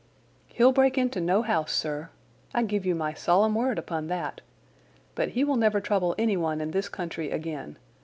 "He'll break into no house, sir. I give you my solemn word upon that. But he will never trouble anyone in this country again.